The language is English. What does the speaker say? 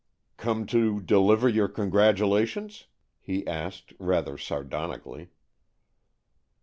"Come to deliver your congratulations? " he asked, rather sardonically.